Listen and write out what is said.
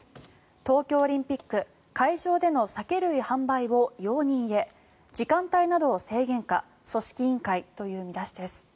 東京オリンピック会場での酒類販売を容認へ時間帯などを制限か組織委員会という見出しです。